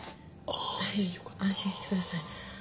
安心してください。